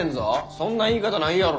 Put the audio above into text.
そんな言い方ないやろ。